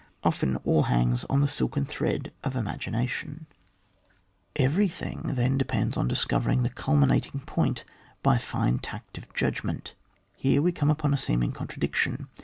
Often all hang^ on the silken thread of imagination. 6 ON WAR. [book vn. Eyerything then depends on discoyer ing the culminating point by the fine tact of judgment Here we come upon a seeming contradiction.